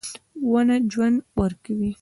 • ونه ژوند ورکوي.